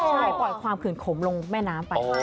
ใช่ปล่อยความขื่นขมลงแม่น้ำไป